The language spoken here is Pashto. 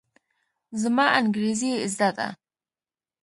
زما انګرېزي زده ده.